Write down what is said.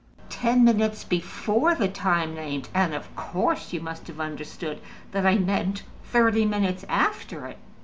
"Ten minutes before the time named; and, of course, you must have understood that I meant thirty minutes after it!"